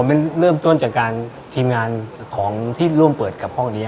มันเริ่มต้นจากการทีมงานของที่ร่วมเปิดกับห้องนี้